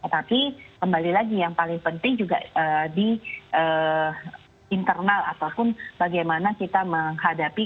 tapi kembali lagi yang paling penting juga di internal ataupun bagaimana kita menghadapi